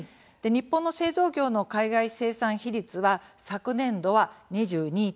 日本の製造業の海外生産比率は昨年度は２２．３％。